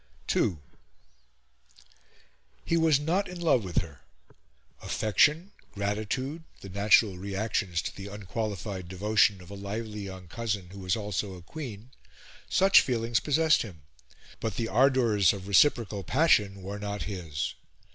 II He was not in love with her. Affection, gratitude, the natural reactions to the unqualified devotion of a lively young cousin who was also a queen such feelings possessed him, but the ardours of reciprocal passion were not his.